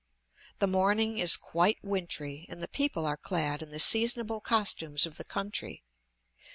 The morning is quite wintry, and the people are clad in the seasonable costumes of the country.